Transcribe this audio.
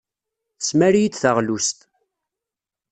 Tesmar-iyi-d taɣlust.